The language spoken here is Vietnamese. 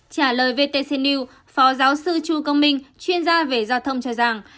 trả lời vtc news phó giáo sư chu công minh chuyên gia về giao thông cho rằng